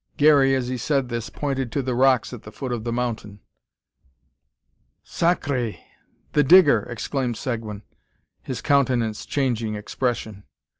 Garey, as he said this, pointed to the rocks at the foot of the mountain. "Sac r r re! the Digger!" exclaimed Seguin, his countenance changing expression.